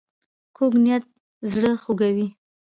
کوږ نیت زړه خوږوي